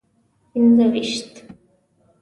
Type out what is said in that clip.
پنځه ویشت.